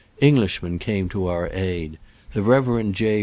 En glishmen came to our aid. The Rev. J.